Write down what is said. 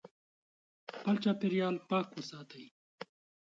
خپل چاپیریال پاک وساتئ.